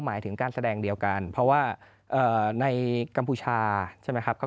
หมายถึงการแสดงเดียวกันเพราะว่าในกัมพูชาใช่ไหมครับ